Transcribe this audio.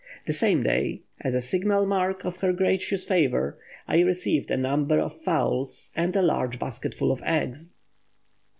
The same day, as a signal mark of her gracious favour, I received a number of fowls and a large basketful of eggs."